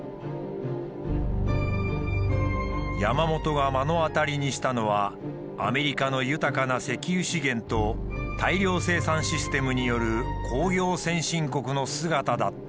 山本が目の当たりにしたのはアメリカの豊かな石油資源と大量生産システムによる工業先進国の姿だった。